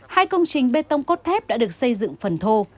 hai công trình bê tông cốt thép đã được xây dựng phần thô